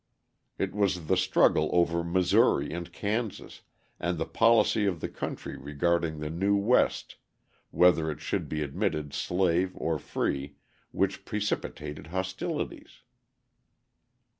It was the struggle over Missouri and Kansas, and the policy of the country regarding the new West, whether it should be admitted slave or free, which precipitated hostilities.